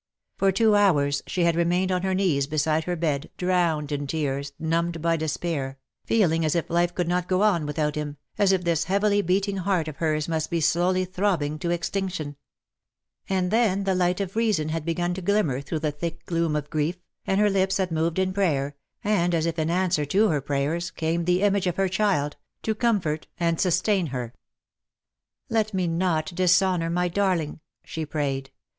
For two hours she had remained on her knees beside her bed, drowned in tears, numbed by despair, feeling as if life could not go on without him, as if this heavily beating heart of hers must be slowly throbbing to extinction : and then the light of reason had begun to glimmer through the thick gloom of grief, and her lips had moved in prayer, and, as if in answer to her prayers, came the image of her child, to comfort and sustain her. '* Let me not dishonour my darling,^^ she prayed.